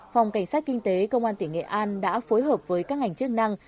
phòng cảnh sát kinh tế công an tỉnh nghệ an đã phối hợp với các ngành chức năng